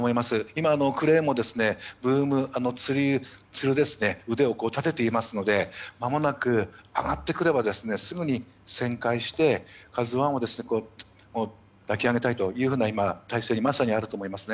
今、クレーンもつる腕を立てていますのでまもなく、上がってくればすぐに旋回して「ＫＡＺＵ１」を抱き上げたいという態勢に今あると思います。